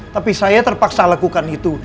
tapi saya terpaksa lakukan itu